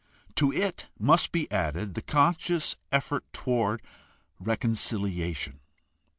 To it must be added the conscious effort toward reconciliation.